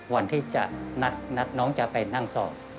วันที่จะนัดน้องจะไปนั่งสอบ